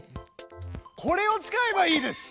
これを使えばいいです！